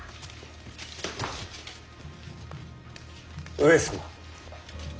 上様。